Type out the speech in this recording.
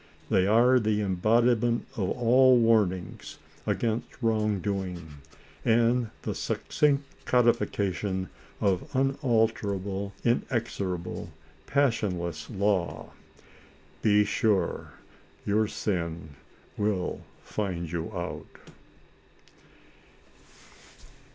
They are the embodiment of all warnings against wrong doing, and the succinct codification of unalterable, inexorable, passionless law. " Be sure your sin will find you out."